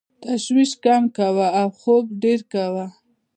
تشویش کم کوه او خوب ډېر کوه .